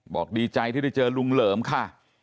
ดีใจที่ได้เจอลุงเหลิมค่ะ